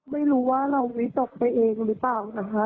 ไม่รู้ว่าเราวิตกไปเองหรือเปล่านะคะ